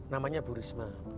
namanya bu risma